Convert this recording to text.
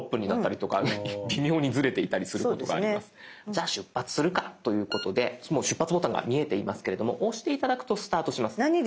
じゃあ出発するかということでもう「出発」ボタンが見えていますけれども押して頂くとスタートします。